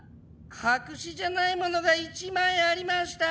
白紙じゃないものが１枚ありました！